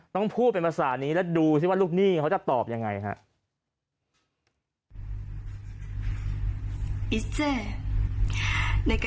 ต้องพูดเป็นภาษานี้แล้วดูสิว่าลูกหนี้เขาจะตอบยังไงฮะ